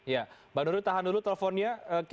ya mbak nuril tahan dulu teleponnya